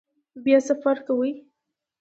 بیا سفر کوئ؟